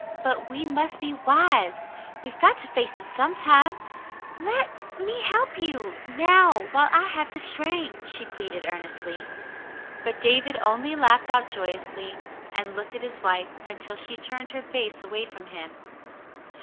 "But we must be wise. We've got to face it sometime. Let — me help you — now while I have the strength," she pleaded earnestly. But David only laughed out joyously, and looked at his wife until she turned her face away from him.